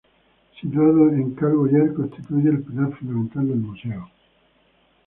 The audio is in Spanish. Situado en "Cal Boyer", constituye el pilar fundamental del museo.